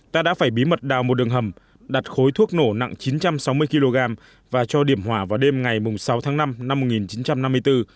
ta đã phải bí mật đào một đường hầm đặt khối thuốc nổ nặng chín trăm sáu mươi kg và cho điểm hỏa vào đêm ngày sáu tháng năm năm một nghìn chín trăm năm mươi bốn